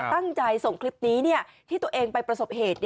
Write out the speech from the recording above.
ตั้งใจส่งคลิปนี้ที่ตัวเองไปประสบเหตุ